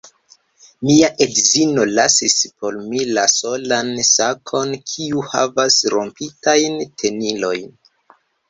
Mia edzino lasis por mi la solan sakon kiu havas rompitajn tenilojn